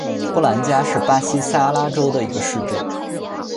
波兰加是巴西塞阿拉州的一个市镇。